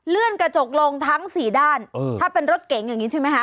กระจกลงทั้งสี่ด้านถ้าเป็นรถเก๋งอย่างนี้ใช่ไหมคะ